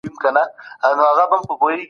اوسيدونكى ستا د ښار دئ